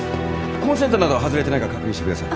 コンセントなど外れてないか確認してください。